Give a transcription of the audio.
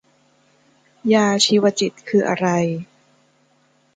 ยาชีวจิตคืออะไร